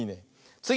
つぎ！